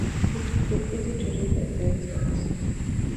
it should be easy to read the sentence